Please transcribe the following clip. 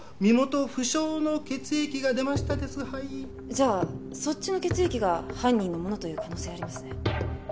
じゃあそっちの血液が犯人のものという可能性ありますね。